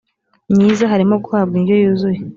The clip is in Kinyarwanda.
myiza harimo guhabwa indyo yuzuye